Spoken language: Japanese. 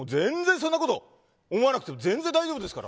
そんなこと思わなくても全然、大丈夫ですから。